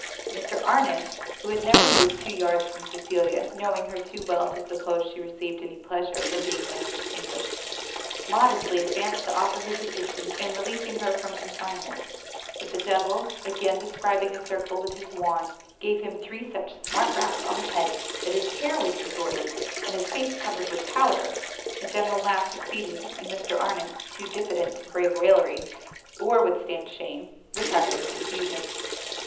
Mr Arnott, who had never moved two yards from Cecilia, knowing her too well to suppose she received any pleasure from being thus distinguished, modestly advanced to offer his assistance in releasing her from confinement; but the devil, again describing a circle with his wand, gave him three such smart raps on the head that his hair was disordered, and his face covered with powder. A general laugh succeeded, and Mr Arnott, too diffident to brave raillery, or withstand shame, retired in confusion.